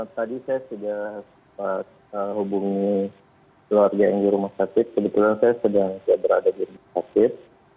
tadi saya sudah hubungi keluarga yang di rumah sakit kebetulan saya sedang berada di rumah sakit